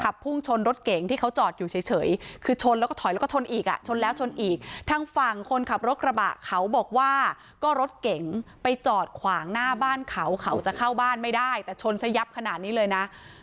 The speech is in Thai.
พุ่งชนรถเก๋งที่เขาจอดอยู่เฉยคือชนแล้วก็ถอยแล้วก็ชนอีกอ่ะชนแล้วชนอีกทางฝั่งคนขับรถกระบะเขาบอกว่าก็รถเก๋งไปจอดขวางหน้าบ้านเขาเขาจะเข้าบ้านไม่ได้แต่ชนซะยับขนาดนี้เลยนะ